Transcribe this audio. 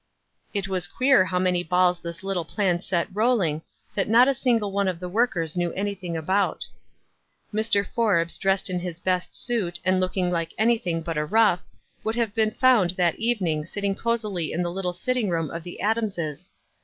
It was queer how many bails this little plan set rolling, that not a single one of the workers knew anything about. Mr. Forbes, dressed in his best suit, and look WISE AND OTHERWISE. 93 ing like anything but a rough, would have been found that evening sitting eozily in the little sit ting room of the Adamses.